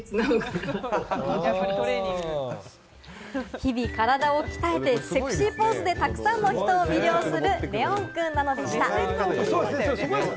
日々体を鍛えてセクシーポーズでたくさんの人を魅了するレオンくんなのでした。